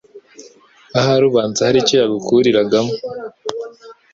Ahari ubanza hari icyo yagukuriragamo